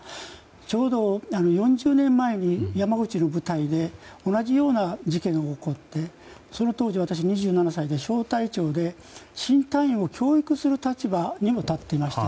ちょうど４０年前に山口の部隊で同じような事件が起こってその当時、私は２７歳で小隊長で、新隊員を教育する立場にも立っていました。